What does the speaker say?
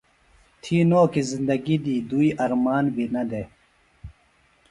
تھی نو کیۡ زندگیۡ دی دوئی ارمان بیۡ نہ دےۡ۔